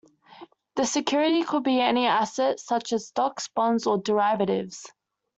The security could be any asset, such as stocks, bonds, or derivatives.